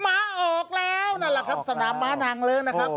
ม้าออกแล้วนั่นแหละครับสนามม้านางเลิ้งนะครับ